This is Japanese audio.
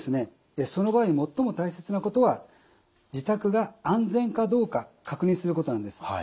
その場合に最も大切なことは自宅が安全かどうか確認することなんです。